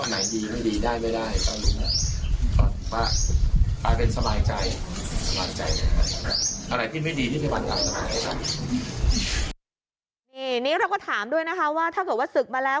นี่เราก็ถามด้วยนะคะว่าถ้าเกิดว่าศึกมาแล้ว